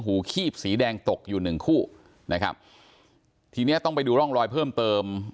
คีบสีแดงตกอยู่หนึ่งคู่นะครับทีเนี้ยต้องไปดูร่องรอยเพิ่มเติม